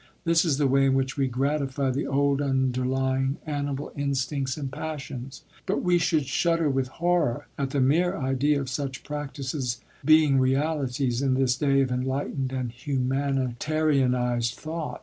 This is the way in which we gratify the old, underlying animal instincts and passions; but we should shudder with horror at the mere idea of such practices being realities in this day of enlightened and humanitarianized thought.